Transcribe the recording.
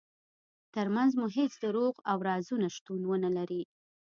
ترمنځ مو هیڅ دروغ او رازونه شتون ونلري.